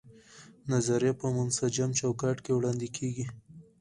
نظریه په منسجم چوکاټ کې وړاندې کیږي.